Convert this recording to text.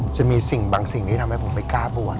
จะมีสิ่งบางสิ่งที่ทำให้ผมไม่กล้าบวช